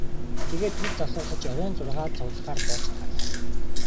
Тэгээд түр завсарлаж оройн зургаад цугларахаар болж тарлаа.